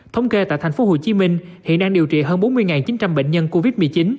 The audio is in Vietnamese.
thống kê tại tp hcm hiện đang điều trị hơn bốn mươi chín trăm linh bệnh nhân covid một mươi chín